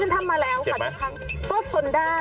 นี่ฉันทำมาแล้วค่ะสักครั้งก็ผลได้